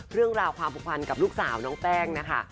เรื่องราวความผูกพันกับลูกสาวน้องแป้งนะคะ